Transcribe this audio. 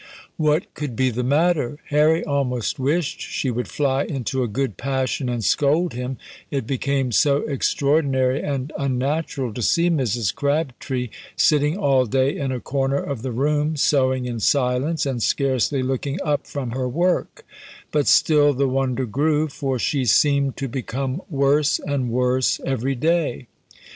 What could be the matter? Harry almost wished she would fly into a good passion and scold him, it became so extraordinary and unnatural to see Mrs. Crabtree sitting all day in a corner of the room, sewing in silence, and scarcely looking up from her work; but still the wonder grew, for she seemed to become worse and worse every day.